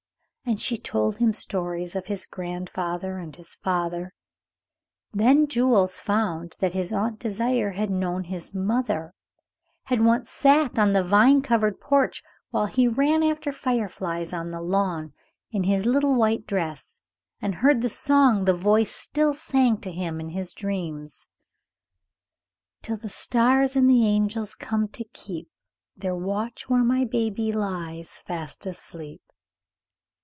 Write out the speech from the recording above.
And she told him stories of his grandfather and his father. Then Jules found that this Aunt Désiré had known his mother; had once sat on the vine covered porch while he ran after fireflies on the lawn in his little white dress; had heard the song the voice still sang to him in his dreams: "Till the stars and the angels come to keep Their watch where my baby lies fast asleep."